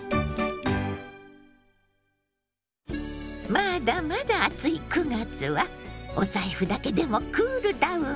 まだまだ暑い９月はお財布だけでもクールダウン！